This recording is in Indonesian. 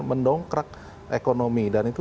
mendongkrak ekonomi dan itu